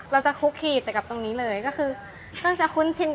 รสชาติ